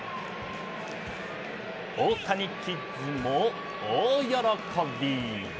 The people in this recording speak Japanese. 大谷キッズも大喜び！